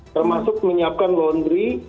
termasuk menyiapkan laundry